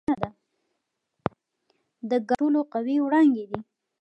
د ګاما رې برسټ تر ټولو قوي وړانګې دي.